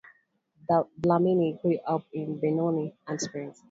Dlamini grew up in Benoni and Springs.